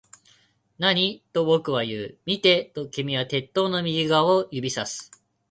何？と僕は言う。見て、と君は鉄塔の右側を指差す